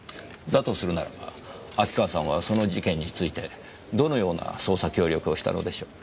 だとするならば秋川さんはその事件についてどのような捜査協力をしたのでしょう？